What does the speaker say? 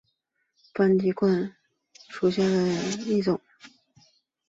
斑脊冠网蝽为网蝽科冠网蝽属下的一个种。